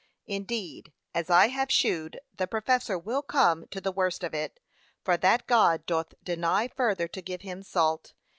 Indeed, as I have shewed, the professor will come to the worst of it; for that God doth deny further to give him salt.